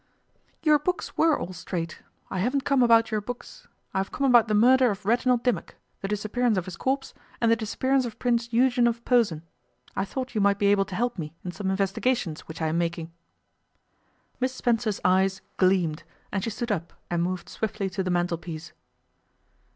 'Your books were all straight. I haven't come about your books. I have come about the murder of Reginald Dimmock, the disappearance of his corpse, and the disappearance of Prince Eugen of Posen. I thought you might be able to help me in some investigations which I am making.' Miss Spencer's eyes gleamed, and she stood up and moved swiftly to the mantelpiece.